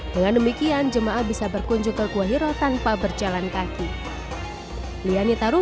dengan demikian jemaah bisa berkunjung ke kuahiro tanpa berjalan kaki